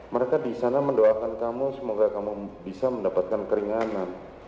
mereka di sana mendoakan kamu semoga kamu bisa mendapatkan keringanan